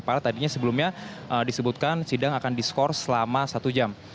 padahal tadinya sebelumnya disebutkan sidang akan diskors selama satu jam